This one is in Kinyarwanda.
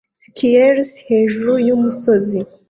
Skiiers hejuru yumusozi